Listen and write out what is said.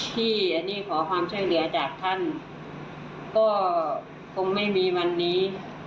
ที่อันนี้ขอความช่วยเหลือจากท่านก็คงไม่มีวันนี้